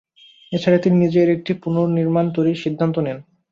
এছাড়া তিনি নিজেই এর একটি পুনর্নির্মাণ তৈরির সিদ্ধান্ত নেন।